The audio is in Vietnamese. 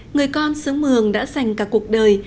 người con sướng mường đã dành cả cuộc đời